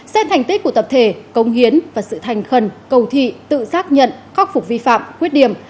xét thành tích của tập thể công hiến và sự thành khẩn cầu thị tự xác nhận khắc phục vi phạm khuyết điểm